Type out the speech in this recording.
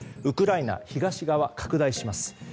ウクライナ、東側、拡大します。